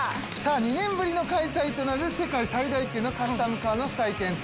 さあ２年ぶりの開催となる世界最大級のカスタムカーの祭典